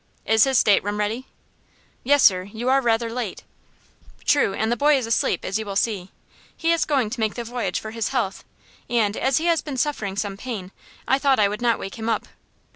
"Is his stateroom ready?" "Yes, sir. You are rather late." "True; and the boy is asleep, as you will see. He is going to make the voyage for his health, and, as he has been suffering some pain, I thought I would not wake him up.